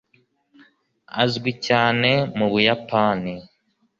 azwi cyane mu buyapani